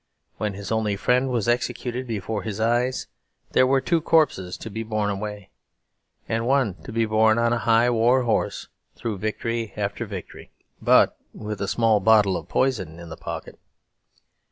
When his only friend was executed before his eyes, there were two corpses to be borne away; and one to be borne on a high war horse through victory after victory: but with a small bottle of poison in the pocket.